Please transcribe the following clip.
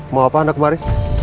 mau apa anda kemari